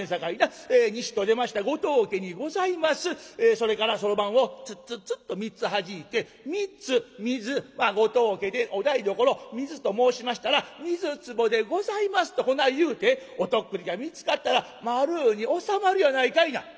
それからそろばんをツッツッツッと３つはじいて『３つ水ご当家でお台所水と申しましたら水壺でございます』とこない言うてお徳利が見つかったら丸うに収まるやないかいな」。